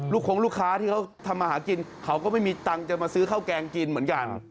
คงลูกค้าที่เขาทำมาหากินเขาก็ไม่มีตังค์จะมาซื้อข้าวแกงกินเหมือนกัน